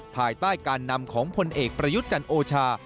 ภายใต้การนำของพลเอกประยุทธ์จันโอชา